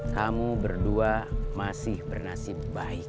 kamu berdua masih bernasib baik